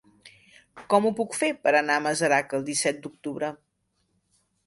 Com ho puc fer per anar a Masarac el disset d'octubre?